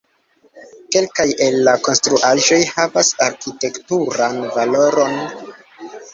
Kelkaj el la konstruaĵoj havas arkitekturan valoron.